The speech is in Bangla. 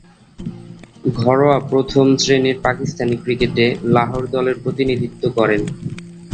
ঘরোয়া প্রথম-শ্রেণীর পাকিস্তানি ক্রিকেটে লাহোর দলের প্রতিনিধিত্ব করেন।